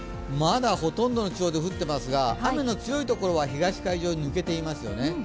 まだほとんどの地方で降っていますが、雨の強い所は東海上に抜けていますよね。